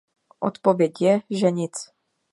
Odpověď je, že nic.